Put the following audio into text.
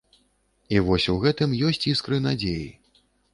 І вось у гэтым есць іскры надзеі.